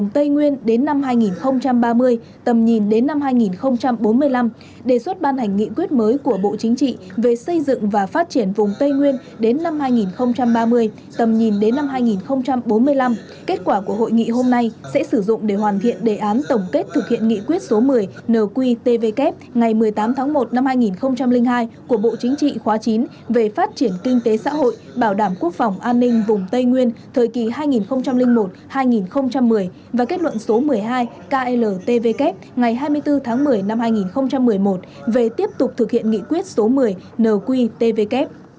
tầm nhìn đến năm hai nghìn bốn mươi năm kết quả của hội nghị hôm nay sẽ sử dụng để hoàn thiện đề án tổng kết thực hiện nghị quyết số một mươi nqtvk ngày một mươi tám tháng một năm hai nghìn hai của bộ chính trị khóa chín về phát triển kinh tế xã hội bảo đảm quốc phòng an ninh vùng tây nguyên thời kỳ hai nghìn một hai nghìn một mươi và kết luận số một mươi hai kltvk ngày hai mươi bốn tháng một mươi năm hai nghìn một mươi một về tiếp tục thực hiện nghị quyết số một mươi nqtvk